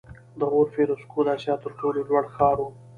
د غور فیروزکوه د اسیا تر ټولو لوړ ښار و